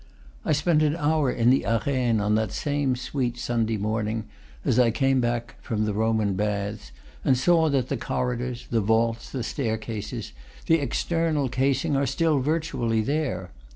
I spent an hour in the Arenes on that same sweet Sunday morning, as I came back from the Roman baths, and saw that the corridors, the vaults, the staircases, the external casing, are still virtually there.